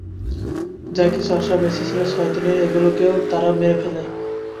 যা কিছু আশা বেঁচেছিলো ছয় দিনে এগুলোকেও তারা মেরে ফেলে।